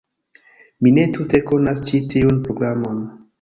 Mi ne tute konas ĉi tiun programon.